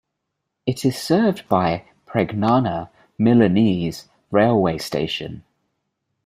It is served by Pregnana Milanese railway station.